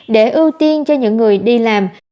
để ưu tiên cho những người đi làm